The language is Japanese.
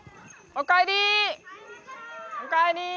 おかえり！